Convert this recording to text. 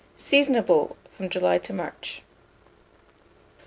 Seasonable from July to March.